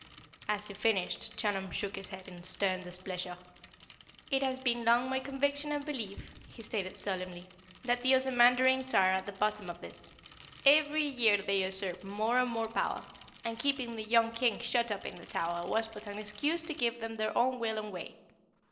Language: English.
As he finished, Chunum shook his head in stern displeasure. "It has long been my conviction and belief," he stated solemnly, "that the Ozamandarins are at the bottom of this. Every year they usurp more and more power, and keeping the young King shut up in the Tower was but an excuse to give them their own will and way.